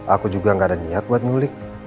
aku juga gak ada niat buat nulik